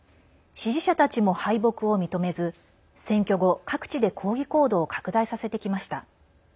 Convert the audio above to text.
支持者たちも敗北を認めず選挙後、各地で抗議行動を拡大させてきました。